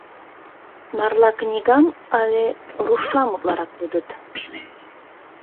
— Марла книгам але рушлам утларак лудыт?